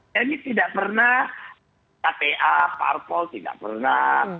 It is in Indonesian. ini tidak pernah kpa parpol tidak pernah